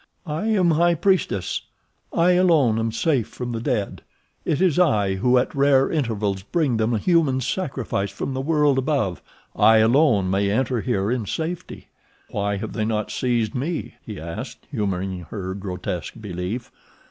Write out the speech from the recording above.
"I am high priestess—I alone am safe from the dead. It is I who at rare intervals bring them a human sacrifice from the world above. I alone may enter here in safety." "Why have they not seized me?" he asked, humoring her grotesque belief.